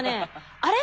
あれ？